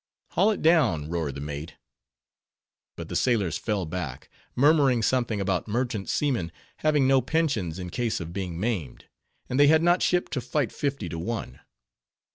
"Haul it down!" roared the mate. But the sailors fell back, murmuring something about merchant seamen having no pensions in case of being maimed, and they had not shipped to fight fifty to one.